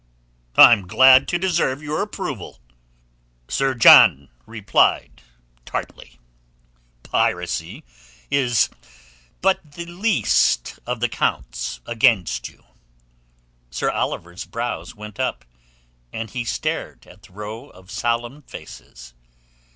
"I am glad to deserve your approval," Sir John replied tartly. "Piracy," he added, "is but the least of the counts against you." Sir Oliver's brows went up, and he stared at the row of solemn faces.